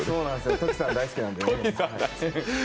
トキさん大好きなんで。